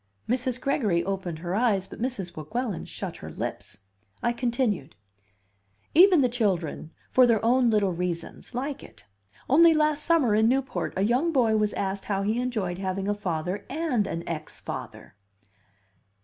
Mrs. Gregory opened her eyes, but Mrs. Weguelin shut her lips. I continued: "Even the children, for their own little reasons, like it. Only last summer, in Newport, a young boy was asked how he enjoyed having a father and an ex father."